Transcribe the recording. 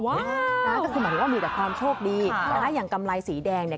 นะก็คือหมายถึงว่ามีแต่ความโชคดีอย่างกำไรสีแดงเนี่ย